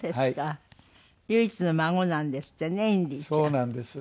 そうなんです。